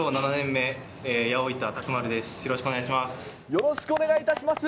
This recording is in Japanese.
よろしくお願いします。